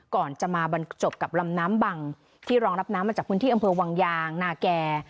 ก่อนจะมาบรรจบกับลำน้ำบังที่รองรับน้ำมาจากพื้นที่อำเภอวังยางนาแก่